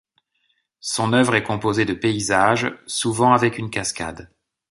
Son œuvre est composée de paysages, souvent avec une cascade.